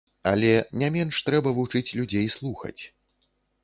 Але не менш трэба вучыць людзей слухаць.